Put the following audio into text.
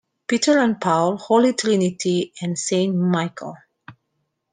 Peter and Paul, Holy Trinity, and Saint Michael.